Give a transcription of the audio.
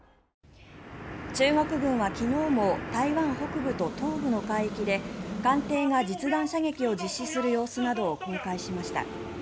中国軍は昨日も台湾北部と東部の海域で艦艇が実弾射撃を実施する様子などを公開しました。